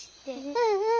うんうん。